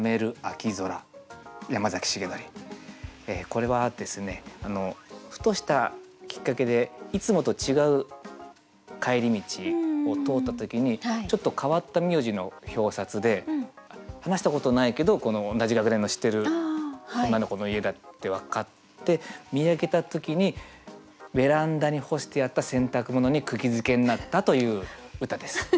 これはですねふとしたきっかけでいつもと違う帰り道を通った時にちょっと変わった名字の表札で話したことないけど同じ学年の知ってる女の子の家だって分かって見上げた時にベランダに干してあった洗濯物にくぎづけになったという歌です。